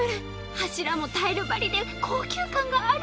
柱もタイル張りで高級感がある！